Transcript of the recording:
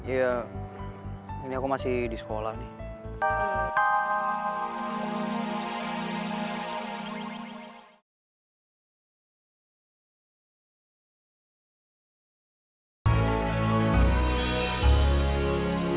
ya ini aku masih di sekolah nih